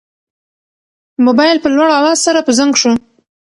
موبایل په لوړ اواز سره په زنګ شو.